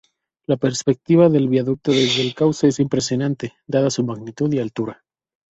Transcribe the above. La perspectiva del viaducto desde el cauce es impresionante, dada su magnitud y altura.